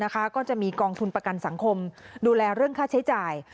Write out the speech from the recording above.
ก็จะมีกองทุนประกันสังคมดูแลเรื่องค่าใช้จ่าย